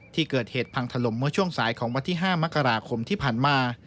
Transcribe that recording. ที่เกิดเหตุพังถล่มเมื่อช่วงสายของวันที่๕มกราคมที่ผ่านมา